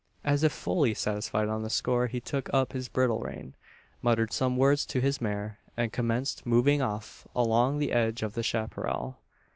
As if fully satisfied on this score, he took up his bridle rein, muttered some words to his mare, and commenced moving off along the edge of the chapparal.